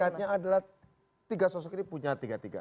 melihatnya adalah tiga sosok ini punya tiga tiga